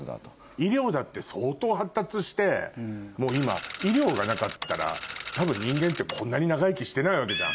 医療だって相当発達してもう今医療がなかったら多分人間ってこんなに長生きしてないわけじゃん。